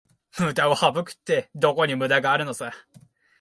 ムダを省くって、どこにムダがあるのさ